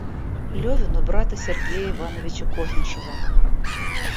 Левин у брата Сергея Ивановича Кознышева.